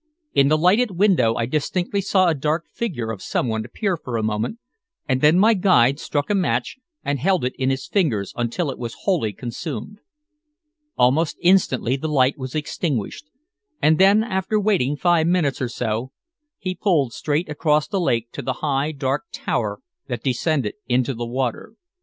In the lighted window I distinctly saw a dark figure of someone appear for a moment, and then my guide struck a match and held it in his fingers until it was wholly consumed. Almost instantly the light was extinguished, and then, after waiting five minutes or so, he pulled straight across the lake to the high, dark tower that descended into the water.